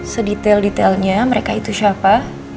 sedetail detailnya mereka itu siapa